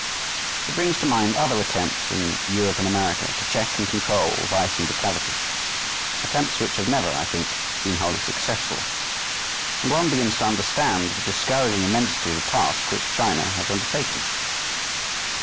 It brings to mind other attempts in Europe and America, to check and control vice and depravity attempts which have never, I think, been wholly successful and one begins to understand the discouraging immensity of the task which China has undertaken.